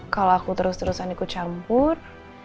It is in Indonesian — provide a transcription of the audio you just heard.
kalau aku terus terusan ikut campur